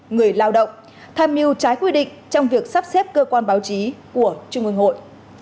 người lao động tham mưu trái quy định trong việc sắp xếp cơ quan báo chí của trung ương hội